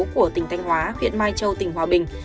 của tỉnh thanh hóa huyện mai châu tỉnh hòa bình